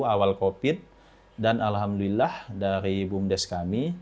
awal covid dan alhamdulillah dari bumdes kami